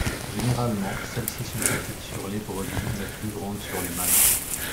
Généralement celles-ci sont petites sur les brebis mais plus grandes sur les mâles.